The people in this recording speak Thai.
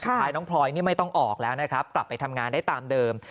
พายน้องพลอยนี่ไม่ต้องออกแล้วนะครับกลับไปทำงานได้ตามเดิม